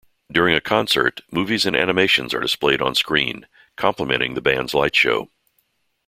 During a concert, movies and animations are displayed on-screen, complementing the band's light show.